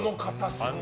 すごい。